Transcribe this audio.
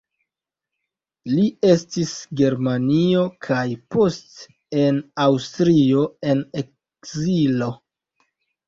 Li estis en Germanio kaj poste en Aŭstrio en ekzilo.